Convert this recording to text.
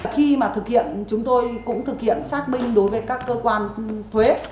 khi mà thực hiện chúng tôi cũng thực hiện xác minh đối với các cơ quan thuế